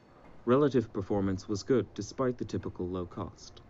Relative performance was good despite the typical low cost.